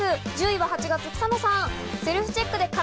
１０位は８月、草野さん。